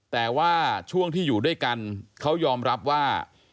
แต่ว่าช่วงที่อยู่ด้วยกันเขายอมรับว่า